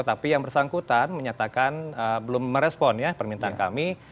tapi yang bersangkutan menyatakan belum merespon ya permintaan kami